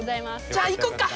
じゃあ行こうか。